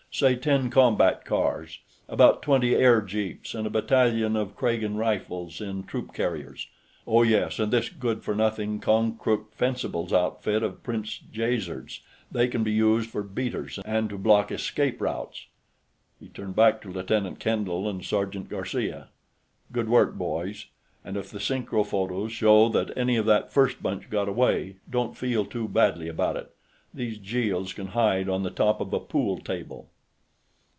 Say ten combat cars, about twenty airjeeps, and a battalion of Kragan Rifles in troop carriers. Oh, yes, and this good for nothing Konkrook Fencibles outfit of Prince Jaizerd's; they can be used for beaters, and to block escape routes." He turned back to Lieutenant Kendall and Sergeant Garcia. "Good work, boys. And if the synchro photos show that any of that first bunch got away, don't feel too badly about it. These Jeels can hide on the top of a pool table."